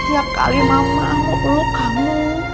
setiap kali mama mau elok kamu